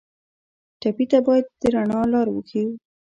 ټپي ته باید د رڼا لار وښیو.